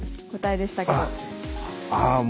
ああもう。